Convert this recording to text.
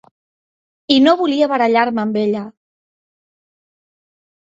I no volia barallar-me amb ella.